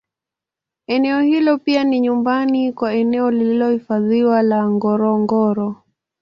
Eneo hilo pia ni nyumbani kwa eneo lililohifadhiwa la Ngorongoro